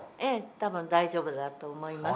たぶん大丈夫だと思います